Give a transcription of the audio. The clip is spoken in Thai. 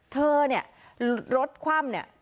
เธอเนี่ยรถคว่ำเนี่ย